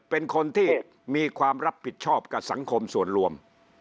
เป็นคนที่มีความรับผิดชอบกับสังคมส่วนรวม